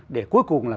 để cuối cùng là